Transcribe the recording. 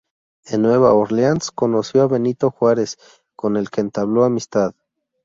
En Nueva Orleans conoció a Benito Juárez con el que entabló amistad.